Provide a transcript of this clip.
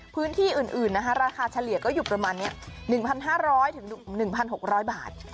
พื้นที่อื่นนะคะราคาเฉลี่ยก็อยู่ประมาณนี้๑๕๐๐๑๖๐๐บาท